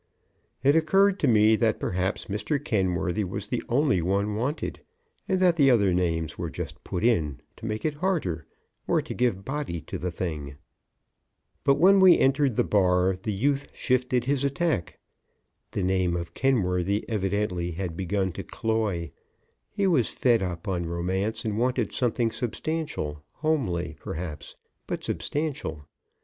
It occurred to me that perhaps Mr. Kenworthy was the only one wanted, and that the other names were just put in to make it harder, or to give body to the thing. [Illustration: "Sometimes that was the only name he would call for mile upon mile."] But when we entered the bar the youth shifted his attack. The name of Kenworthy evidently had begun to cloy. He was fed up on romance and wanted something substantial, homely, perhaps, but substantial.